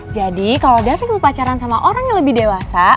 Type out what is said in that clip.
jadi kalo davin mau pacaran sama orang yang lebih dewasa